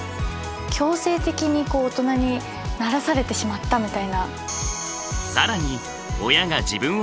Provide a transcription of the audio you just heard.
強制的に大人にならされてしまったみたいな。